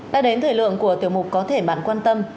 đã đến thời lượng của tiểu mục có thể bạn quan tâm